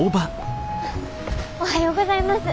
おはようございます。